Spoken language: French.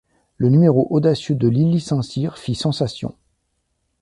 Le numéro audacieux de Lili St-Cyr fit sensation.